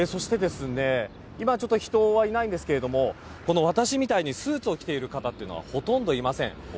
今、人はいないんですけれども私みたいにスーツを着ている方はほとんどいません。